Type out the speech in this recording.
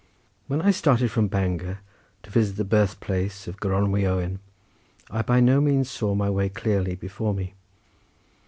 When I started from Bangor, to visit the birthplace of Gronwy Owen, I by no means saw my way clearly before me.